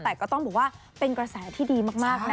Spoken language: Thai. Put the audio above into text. แต่ก็ต้องบอกว่าเป็นกระแสที่ดีมากนะ